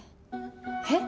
えっ？